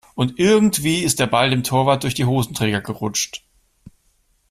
Und irgendwie ist der Ball dem Torwart durch die Hosenträger gerutscht.